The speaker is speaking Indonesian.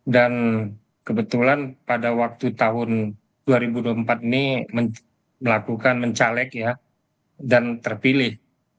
dan kebetulan pada waktu tahun dua ribu dua puluh empat ini melakukan mencaleg ya dan terpilih